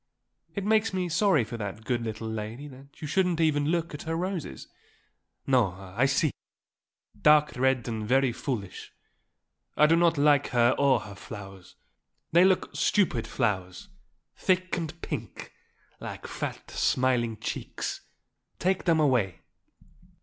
It makes me sorry for that good little lady that you shouldn't even look at her roses." "No. I see her. Dark red and very foolish. I do not like her or her flowers. They look stupid flowers thick and pink, like fat, smiling cheeks. Take them away."